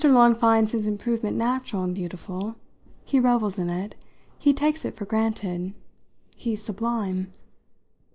Long finds his improvement natural and beautiful. He revels in it. He takes it for granted. He's sublime."